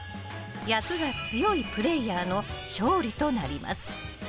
役が強いプレーヤーの勝利となります。